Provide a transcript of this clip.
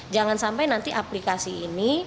jangan sampai nanti aplikasi ini